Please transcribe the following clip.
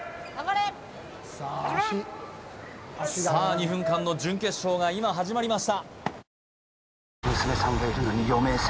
２分間の準決勝が今始まりました